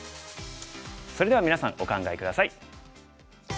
それではみなさんお考え下さい。